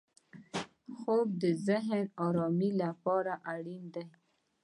خوب د ذهن ارامۍ لپاره اړین دی